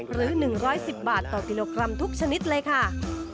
หรือ๑๑๐บาทต่อกิโลกรัมทุกชนิดเลยค่ะ